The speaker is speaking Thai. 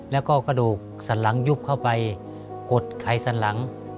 แล้วก็กระดูกสันหลังยุบเข้าไปกดไขสันหลัง